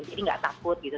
jadi nggak takut gitu